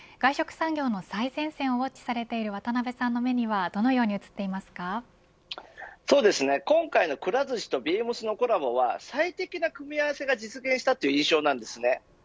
外食産業の最前線をウォッチされている渡辺さんの目には今回のくら寿司とＢＥＡＭＳのコラボは最適な組み合わせが実現したという印象です。